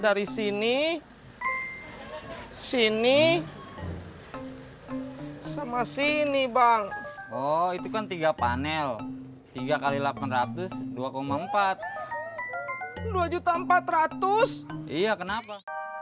dari sini sini sama sini bang oh itu kan tiga panel tiga x delapan ratus dua empat dua juta empat ratus iya kenapa